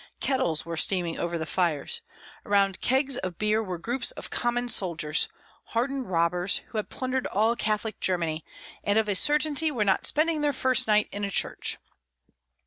Kettles were steaming over the fires. Around kegs of beer were groups of common soldiers, hardened robbers, who had plundered all Catholic Germany, and of a certainty were not spending their first night in a church.